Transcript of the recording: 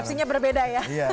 persepsinya berbeda ya